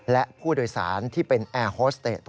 และผู้โดยสารที่เป็นแอร์โฮสเตจ